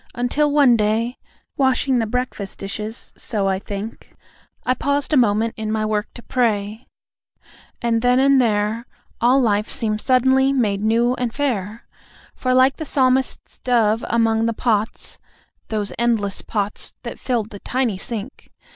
Until one day, Washing the breakfast dishes, so I think, I paused a moment in my work to pray; And then and there All life seemed suddenly made new and fair; For, like the Psalmist's dove among the pots (Those endless pots, that filled the tiny sink!)